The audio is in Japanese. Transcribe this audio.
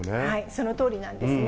そのとおりなんですね。